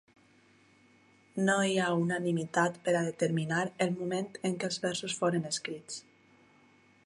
No hi ha unanimitat per a determinar el moment en què els versos foren escrits.